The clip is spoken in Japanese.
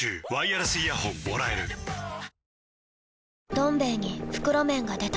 「どん兵衛」に袋麺が出た